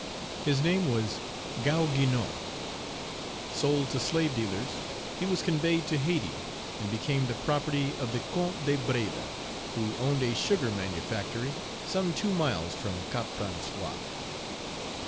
His name was Gaou Guinou. Sold to slave dealers, he was conveyed to Hayti, and became the property of the Count de Breda, who owned a sugar manufactory some two miles from Cap François.